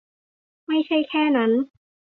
ไม่ใช่แค่นั้น